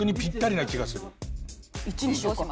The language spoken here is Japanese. １にしようか。